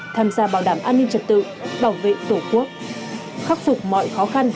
tham gia bảo đảm an ninh trật tự bảo vệ tổ quốc khắc phục mọi khó khăn